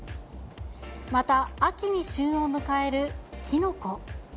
また、秋に旬を迎えるキノコ。